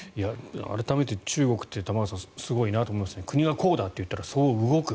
改めて中国って玉川さん、すごいなと思いますが国がこうだと言ったらそう動く。